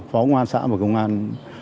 phó công an xã và công an